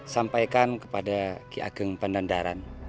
sampaikan kepada ki ageng pandandaran